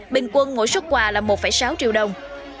bình quân mỗi xuất quà là một sáu triệu đồng